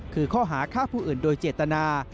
คือข้อหาฆ่าผู้อื่นโดยเจตนา